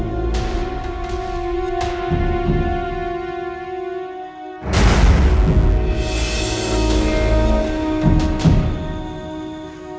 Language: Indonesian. sepertinya aku kena kisah anak